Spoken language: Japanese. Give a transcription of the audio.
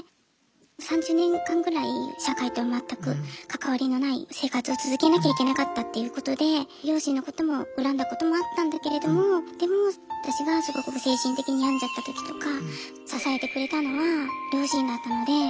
３０年間ぐらい社会とは全く関わりのない生活を続けなきゃいけなかったっていうことで両親のことも恨んだこともあったんだけれどもでも私がすごく精神的に病んじゃった時とか支えてくれたのは両親だったので。